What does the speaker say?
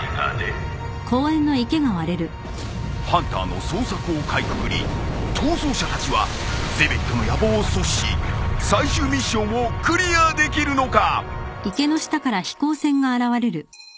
ハンターの捜索をかいくぐり逃走者たちはゼベットの野望を阻止し最終ミッションをクリアできるのか！？